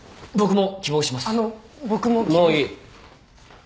もういい。